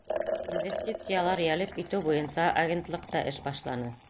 Инвестициялар йәлеп итеү буйынса агентлыҡ та эш башланы.